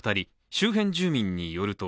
周辺住民によると